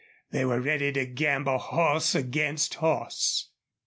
They were ready to gamble horse against horse.